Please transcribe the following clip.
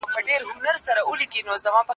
موږ باید یو بل ومنو.